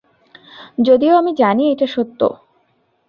যদিও আমি জানি এইটা সত্য।